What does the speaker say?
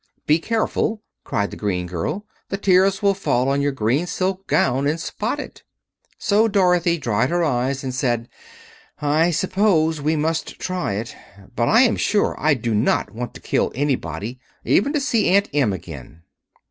"Be careful!" cried the green girl. "The tears will fall on your green silk gown and spot it." So Dorothy dried her eyes and said, "I suppose we must try it; but I am sure I do not want to kill anybody, even to see Aunt Em again."